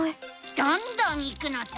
どんどんいくのさ！